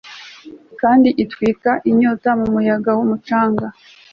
Kandi itwika inyota mumuyaga wumucanga